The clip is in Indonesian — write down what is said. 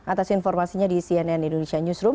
atas informasinya di cnn indonesia newsroom